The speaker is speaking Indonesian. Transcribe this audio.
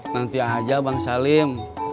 nanti aja bang salim